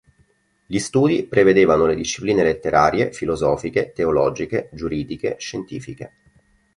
Gli studi prevedevano le discipline letterarie, filosofiche, teologiche, giuridiche, scientifiche.